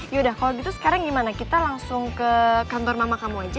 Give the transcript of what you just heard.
yaudah kalau gitu sekarang gimana kita langsung ke kantor mama kamu aja